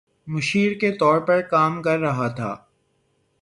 مشیر کے طور پر کام کر رہا تھا